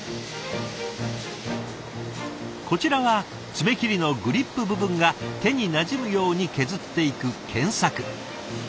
こちらはつめ切りのグリップ部分が手になじむように削っていく研削。